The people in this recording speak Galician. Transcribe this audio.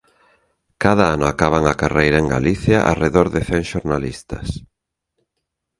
Cada ano acaban a carreira en Galicia arredor de cen xornalistas.